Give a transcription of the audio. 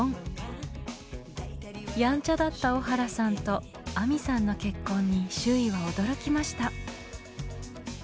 やんちゃだった小原さんと亜美さんの結婚に周囲は驚きました。